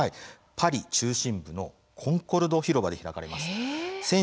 パリ中心部のコンコルド広場です。